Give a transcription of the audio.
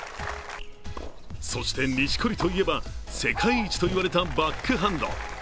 そして、錦織といえば世界一といわれたバックハンド。